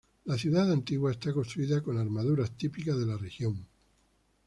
La ciudad antigua está construida con armaduras, típicas de la región.